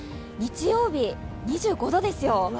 日曜日、２５度ですよ。